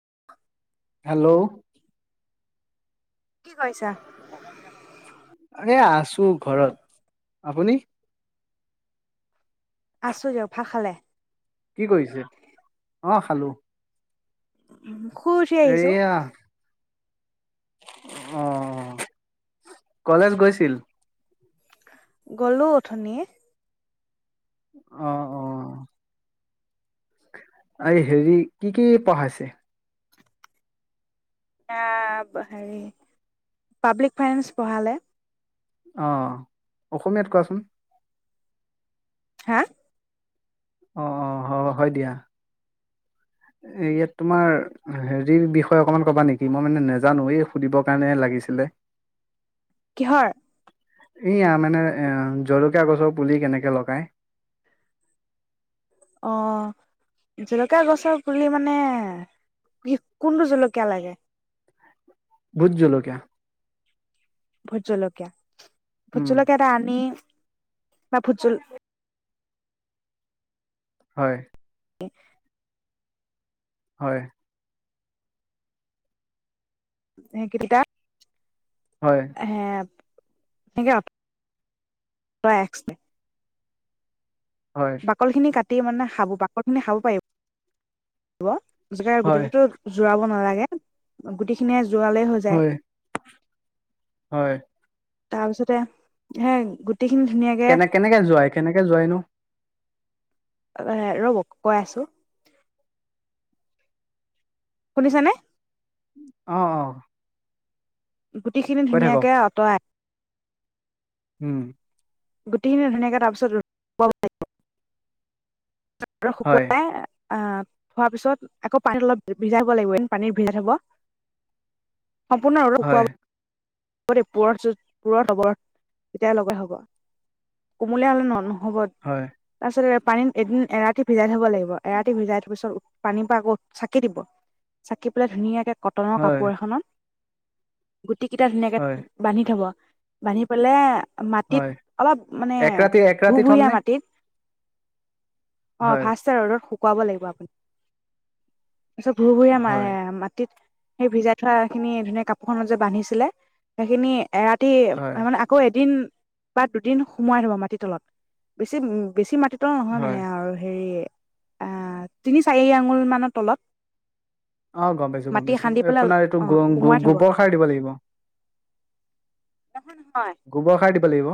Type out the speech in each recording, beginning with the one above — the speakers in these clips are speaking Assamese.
[inaudible] হেল্ল'- কি কৰিছা? আৰে আছো ঘৰত আপুনি? আছোঁ দিয়ক ভাত খালে? কি কৰিছে, অহ খালো। উ উম। শুই উঠি আহিছো। এইয়া অ, কলেজ গৈছিল? গলো অথনি। অ অ। আ, হেৰি কি কি পঢ়াইছে? হেৰি, পাব্লিক ফাইনেন্স পঢ়ালে। অ, অসমীয়াত কোৱাচোন? হা? অ অ হ হয় দিয়া। এ ইয়াত তোমাৰ হেৰি বিষয়ে অকমান কবা নেকি মই মানে নেজানো এই সুধিবৰ কাৰণে লাগিছিলে। কিহৰ? এয়া মানে এ জলকীয়া গছৰ পুলি কেনেকে লগায়? অ জলকীয়া গছৰ পুলি মানে কি কোনটো জলকীয়া লাগে? ভোজলকীয়া। ভোজলকীয়া? ভোজলকীয়া এটা আনি - [unintelligible] হয়। [inaudible] হয়। সেইকেইটা- হয় হে [inaudible] প্ৰায় এক্সট্ৰা হয় বাকলি খিনি কাটি কাটি মানে খাব পা [inaudible] মানে খাব পাৰিব। [inaudible] [inaudible] হয় গোটেইটোতো জোৰাব নালাগে গোটেইখিনিয়ে জোৱালেই হৈ যায়। হয় হয় তাৰপিছতে হে গোট কেনে কেনেকে যোৱাই? কেনেকে যোৱাইনো? এ ৰ'ব কৈ আছোঁ। শুনিছানে? অ', অ। গুটি খিনি কৈ থাকক ধুনীয়াকে আঁতৰাই উম। গুটি খিনি ধুনীয়াকে তাৰপিছত ৰ'দ পুয়াব লাগিব। হয়। অ', থোৱাৰ পিছত আকৌ পানীত অলপ ভিজাব লাগিব। পানীত ভিজাই থব সম্পূৰ্ণ হয়, নুশুকাব। হব দে পুৰত যদি পুৰত হ'ব, তেতিয়া লগা হ'ব কোমলিয়া হ'লে নহ'ব। হ'ব। হয়, তাৰপাছতে পানীত এদিন এৰাতি ভিজাই থ'ব লাগিব। এৰাতি হৈ যোৱাৰ পিছত পানীৰ পৰা আকৌ চাকি দিব চাকি পেলাই ধুনীয়াকে কটনৰ হয়, কাপোৰ এখনত। গুটি কেই তেতিয়া ধুনীয়াকে হয়, বান্ধি থ'ব। বান্ধি পেলাই মাটিত হয়, অলপ মানে এক ৰাতি এক ৰাতি ভুভুুৰীয়া থ'মনে? মাটিত অ', হয়, ফাৰ্ষ্ট ৰ'দত শু শুকুৱাব লাগিব আপুনি। পিছত ভুৰ ভূৰীয়া হয়, মায়ে মাটিত। সেই ভিজাই থোৱা খিনি ধুনীয়া কাপোৰখনত যে বান্ধিছিলে। সেইখিনি এ ৰাতি হয়, মানে, আকৌ এদিন বা দুদিন সোমোৱাই থবা মাটি তলত, বেছি উ বেছি মাটি ত নহয় হয়, মানে আৰু হেৰি অ' তিনি, চাৰি আঙুল মানৰ তলত। অ', গম পাইছোঁ, গম মাটি পাইছোঁ। খান্দি পেলাই আপোনাৰ এইটো অ সোমোৱাই থব গোবৰ সাৰ দিব লাগিব। নহয়, গোবৰ সাৰ দিব লাগিব,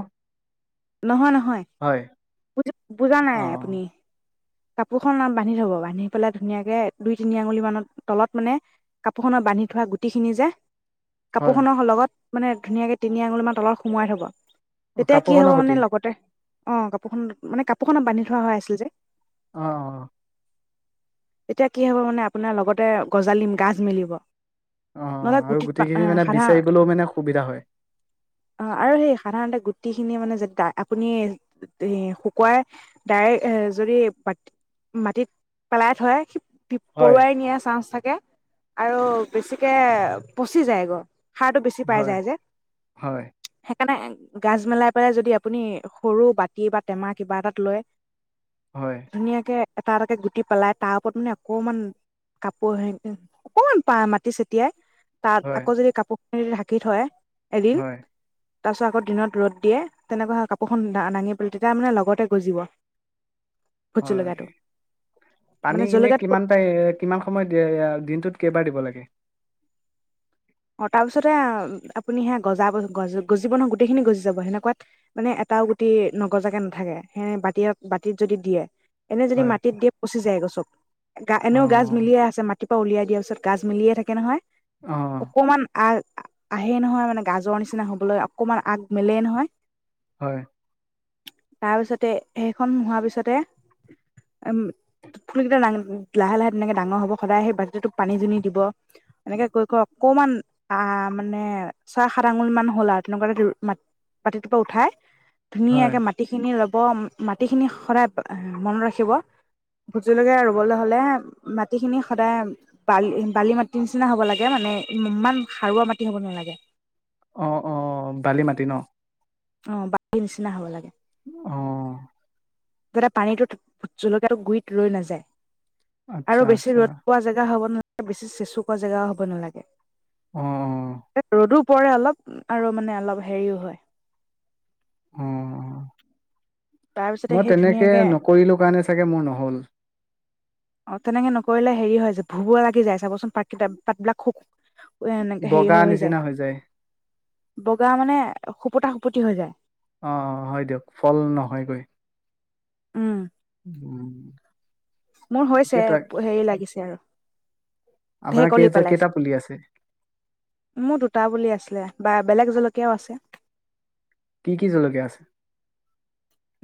নহয়, নহয় হয়। [unintelligible] বুজা নাই অ', আপুনি। কাপোৰখন বান্ধি থ'ব, বান্ধি পেলাই ধুনীয়াকৈ দুই তিনি আঙুলি মানৰ তলত, মানে কাপোৰখনত বান্ধি থোৱা গুটি খিনি যে হয়, কাপোৰখনৰ লগত মানে ধুনীয়াকে তিনি আঙুলি মান তলত সোমোৱাই থবা। তেতিয়া কি হব কাপোৰখনৰ মানে সতি, লগতে অ' কাপোৰখন মানে, কাপোৰখনত বান্ধি অ', থোৱা হয় আছিল যে। অ', অ। এতিয়া কি হব মানে আপোনাৰ লগতে গজালিম গাজ মেলিব নহলে আৰু গুটিত পা গোটেইখিনি আহ মানে সাধাৰ বিচাৰিবলৈও মানে সুবিধা হয়, অ আৰু সেই সাধাৰণতে গুটি মানে যে যায় আপুনি এ শুকুৱাই দাৰে এ যদি মাটিত পেলাই থয়। টিপ, হয়, পৰুৱাই নিয়াৰ চান্স থাকে। আৰু বেছিকে পচি যায় গ সাৰটো বেছি পাই হয়, যায় যে। হয়, হে কাৰণে গাজ মেলাৰ পৰাই যদি আপুনি সৰু বাতি বা টেমা কিবা এটাত লয়ৈ হয় ধুনীয়াকে এটা এটাকে গুটি পেলাই তাৰ ওপৰত মানে অকমান কাপোৰ হেৰি কৰি অকমান পা মাটি চটিয়াই তাত হয়, আকৌ যদি কাপোৰ। ঢাকি থয় হয়। তাৰ পিছত আকৌ দিনত ৰ'দ দিয়ে তেনেকুৱা কাপোৰখন দা দাঙি পেল তেতিয়া মানে লগতে গজিব। ভোট হয় জলকীয়াটো পানী মানে কিনি জলকীয়াটো কিমান তাই, কিমান সময়ত দিয়ে দিনটোত কেইবাৰ দিব লাগে? অ তাৰপিছতে আপুনি সেয়া গজাব গজ গজিব নহয়, গোটেই খিনি গজি যাব সেনেকুৱাত মানে এটাও গুটি নগজাকে নাথাকে। সে বাতিয়ে বাতিত যদি দিয়ে। এনে যদি হয়। মাটিত দি পচি যায় গৈ চব গা এনেও গাজ অ', মিলিয়ে আছে মা ৰাতিপুৱা উলিয়াই দিয়াৰ পাছত কাজ মিলিয়ে থাকে নহয়! অ', অকমান আৰ আহে ই নহয় মানে গাজৰ নিচিনা হবলৈ অকনমান আগ মেলেই নহয় হয়। তাৰপিছতে সেইখন হোৱাৰ পিছতে ফুলকেইটা লাহে - লাহে তেনেকে ডাঙৰ হব সদায় সেই বাল্টিটোত পানী দুনি দিব এনেকে কৈ - কৈ অকমান আ', মানে ছয় সাত আঙুল মান হ'ল আৰু তেনেকুৱা এটা ম - মাটিটোৰ পৰা উঠাই হয়, ধুনীয়াকে মাটি খিনি লগ- - ব মাটিখিনি সদায় মনত ৰাখিব, ভোটজলকীয়া ৰুবলৈ হ'লে মাটিখিনি সদায় বালি, বালি মাটি নিচিনা হ'ব লাগে মানে। ইমান সাৰুৱা মাটি হ'ব নালাগে। অ'অ' বালি মাটি ন? অ' বালিৰ নিচিনা হব লাগে। অ' যাতে পানীটো ভূতজলকীয়া টো গুৰিত ৰৈ নাযায়। আৰু আচ্ছা, বেছি আচ্ছা, ৰ'দ পোৱা জেগা হ'ব না বেছি চেচুকা জেগাও হ'ব নালাগে। অ', অ', ৰদো পৰে অলপ আৰু মানে অলপ হেৰিও হয়। উম', তাৰ পিছতে মই সেই তেনেকে ধুনীয়াকে নকৰিলো কাৰণে চাগে মোৰ নহ'ল। অ', তেনেকে নকৰিলে হেৰি হয় যে ভুবূৱা লাগি যায় চাবচোন পাতকিতা - পাতবিলাক খুব ওৱে এনেকে হেৰি হৈ হৈ যায়। বগা মানে সুপোতা সু- পতি হৈ যায়। অ অ হয় দিয়ক ফল নহয় গৈ। উম', উম। মোৰ হৈছে কেইটা, প হেৰি লাগিছে আৰু ঢেৰ আপোনাৰ কলি কেইটা, পেলাইছে, কেইটা পুলি আছে? মোৰ দুটা পুলি আছিলে। বা বেলেগ জলকীয়াও আছে। কি কি জলকীয়া আছে?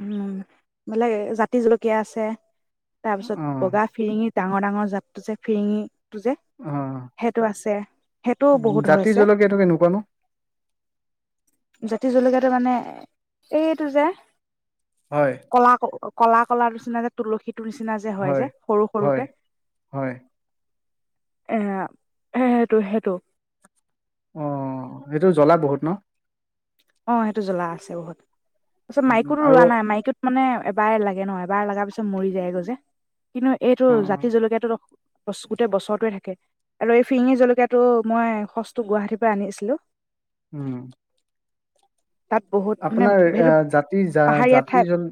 উম, বেলেগ জাতি জলকীয়া আছে। তাৰ পিছত অ', বগা ফিৰিঙি ডাঙৰ - ডাঙৰ জাতটো যে ফৰিঙি। টো যে, অ', হেইটো আছে হেইটো বহুত জাতি হৈছে। জলকীয়াটো কেনেকুৱা নো? জাতি জলকীয়া এইটো মানে এইটো যে হয়, কলা [unintelligible] কলা - কলাৰ নিচনা যে তুলসী সিটো নিচিনা যে হয় যে সৰু হয়, সৰুকে। হয়, এৰা সে সেইটো, সেইটো অ' সেইটো জ্বলা বহুত ন? অ' সেইটো জ্বলা আছে বহুত। মাইক্র' টো আৰু ৰোৱা নাই মাইক্ৰ' টো মানে এবাৰেই লাগে ন'এবাৰ লগাৰ পিছত মৰি যায় গৈ যে। কিন্তু এইটো জাতি অ', জলকীয়াটো ক গোচ গোটেই বছৰটোৱে থাকে আৰু এই ফিৰিঙি জলকীয়াটো মই সচটো গুৱাহাটীৰ পৰা আনিছিলো। উম। তাত বহুত মানে আপোনাৰ এ সেইটো জাতি জা পাহাৰীয়া ঠাই জাতি জন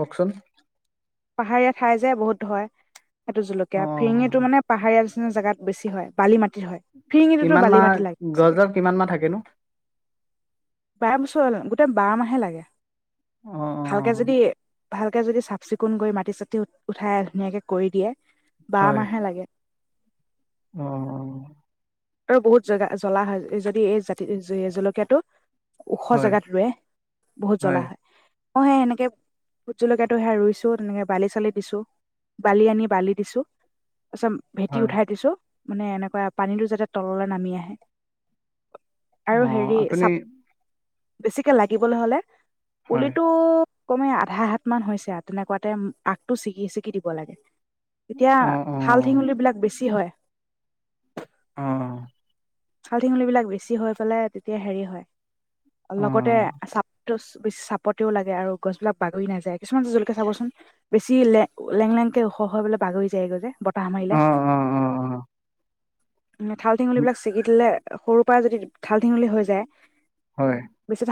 কওকচোন। পাহাৰীয়া ঠাই যে বহুত হয়। সেইটো জলকীয়া। অ ফিৰিঙিটো মানে পাহাৰীয়া। জেগাত বেছি হয় বালি মাটি হয়। ফিৰিঙিটোতো কিমান বালি মাহ মাটি লাগে চাগে গছডাল কিমান মাহ থাকেনো বাৰ বছৰতে গো বাৰ মাহে লাগে। অ অ ভালকে যদি ভালকে যদি চাফ-চিকু কুণ গৈ মাটি চাটি উঠাই ধুনাকে কৰি দিয়ে বা হয় মাহে লাগে। অ', - অ', আৰু বহুত জগা জ্বলা হয় এই যদি এই জাতি জ জলকীয়াটো। ওখ হয় জেগাত ৰুৱে বহুত জ্বলা হয়। অ', সে সেনেকে ভোট জলকীয়াতটো সে ৰুইছো তেনেকে বালি চালি দিছো বালি আনি বালি দিছো। অচম ভেটি হয় উঠাই দিছো। মানে এনেকুৱা পানীতো যাতে। তললে নামি আহে। অ আৰু হেৰি আপুনি চাপ। বেছিকে লাগিবলৈ হ'লে। হয় পুলিটো। কমে আধা হাতমান হৈছে আৰু তেনেকুৱাতে আগটো ছিগি - ছিগি দিব লাগে। তেতিয়া অ অ ঠাল ঠেঙুলি বিলাক বেছি হয়। অ অ', ঠাল -ঠেঙুল বিলাক বেছি হৈ পেলাই তেতিয়া হেৰি হয়। অ লগতে চাপ। [inaudible] চাপতেও লাগে আৰু গছ বিলাক বাগৰি নাযায়। কিছুমান জলকীয়া চাবচোন বেছি লে লেং লেংকে ওখ হৈ বাগৰি যায়গৈ যে। বতাহ মাৰিলে। অ অ অ নে ঠাল-ঠেঙুলী বিলাক। লে সৰুৰ পৰা যদি ঠাল-ঠেঙুলি হৈ যায়। হয়।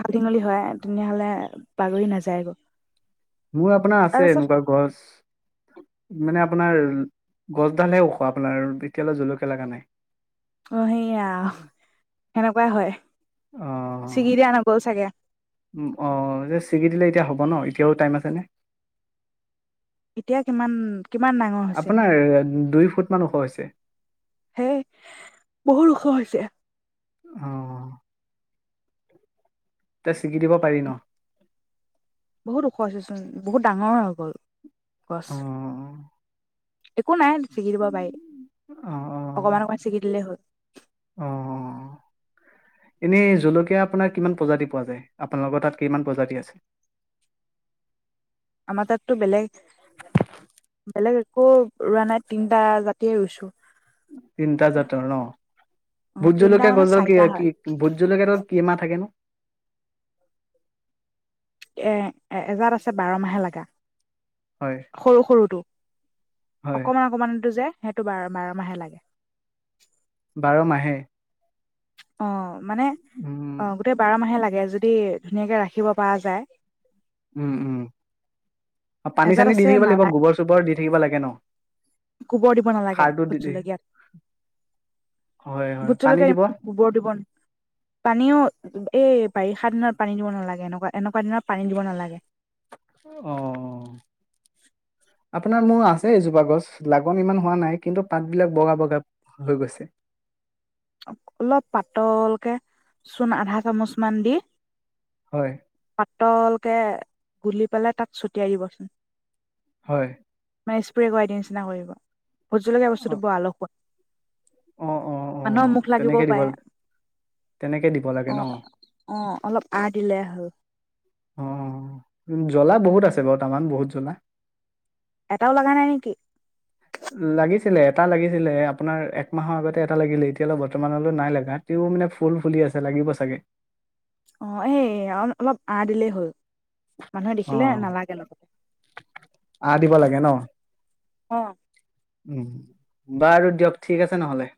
ঠাল-ঠেঙুলি হয়াই তেনেহলে বাগৰি নাযায় গ। মোৰ আপোনাৰ আছে এনেকুৱা গছ। মানে আপোনাৰ গছডালহে ওখ আপোনাৰ এতিয়া লৈ জলকীয়া লগা নাই। অ' সেইয়া, সেনেকুৱাই হয়। অ' ছিগি দিয়া নগ'ল চাগে উ অ' যে ছিগি দিলে এতিয়া হ'ব হব ন এতিয়াও টাইম আছে নে? এতিয়া কিমান কিমান ডাঙৰ হৈছে? আপোনাৰ দুই ফুট মান ওখ হৈছে হেই বহুত ওখ হৈছে। চেহ অ' তে ছিগি দিব পাৰি ন? বহুত ওখ হৈছে চোন, বহুত ডাঙৰ হৈ গ'ল। পচ অ একো নাই। চিগি দিব পাৰি অ অ অকমান, অকমান চিগি দিলেই হ'ল। অ' এনে জলকীয়া আপোনাৰ কিমান প্ৰজাতি পোৱা যায়, আপোনাৰ লোকৰ তাত কিমান প্ৰজাতি আছে? আমাৰ তাতটো বেলেগ, বেলেগ একো ৰোৱা নাই তিনিটা জাতিয়ে ৰুইছো। তিনিটা জাতৰ ন অ ভোত তিনটা জলকীয়া মানে গছৰ কি চাৰিটা হয় কি ভোত জলকীয়াত কি মাহ থাকে নু? এ, এ এজাত আছে বাৰ মাহে লগা। হয় সৰু সৰুটো। হয় অকনমান অকনমান টো যে। সেইটো বাৰ, বাৰ মাহে লাগে। বাৰ মাহে? অ' মানে উম অ' গোটেই বাৰ মাহে লাগে। এয়া যদি ধুনীয়াকে ৰাখিব পৰা যায়। উম, উম পানী এজাত চানী দি আছে থাকিব লাগিব নালাগে গোবৰ চোবৰ দি থাকিব লাগে ন? গোবৰ দিব নালাগে সাৰটো ভোট দি দি হয় জলকীয়াত হয় ভোট পানী জলকীয়া দিব ইমান গোবৰ দিব ন পানীও এই বাৰিষ সাত দিনত পানী দিব নালাগে এনেকুৱা, এনেকুৱা দিত পানী দিব নালাগে। অ' আপোনাৰ মোৰ আছে এজোপা গছ লাগন ইমান হোৱা নাই কিন্তু পাতবিলাক বগা, বগা হৈ গৈছে। অলপ পাতলকে চূণ আধা চামুচ মান দি হয় পাটলকে গুলি পালে তাত ছটিয়াই দিবচোন। হয়। মাই স্প্রে কৰাই দিয়া নিচিনা কৰিব ভোটজলকীয়া অ বস্তুটো বৰ আলখুৱা। অ' অ', মানুহৰ অ', মুখ লাগিবও তেনেকে দিব পাৰে তেনেকে দিব লাগে ন অহ, অহ অলপ আ দিলে হল। অ', জ্বলা বহুত আছে বৰ্তামান বহুত জ্বলা। এটাও লগা নাই নেকি? লাগিছিলে এটা লাগিছিলে আপোনাৰ একমাহৰ আগতে এটা লাগিলে এতিয়া অলপ বৰ্তমানলৈ নাই লগা ও মানে ফুল, ফুলি আছে লাগিব চাগে। অ' এই অ' অলপ আ দিলেই হ'ল। মানুহে দেখিলে অ' নালাগে লগতে আ দিব লাগে ন? অ' উম বাৰু দিয়ক ঠিক আছে নহলে।